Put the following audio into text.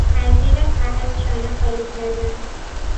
از زیر قرض شانه خالی کردن